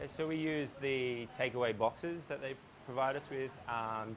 jadi kami menggunakan kotak kotak yang mereka berikan kepada kami